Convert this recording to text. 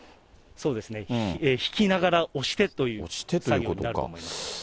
そうですね、引きながら押してという作業になると思います。